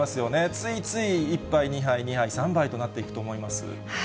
ついつい１杯、２杯、２杯、３杯となっていくと思います。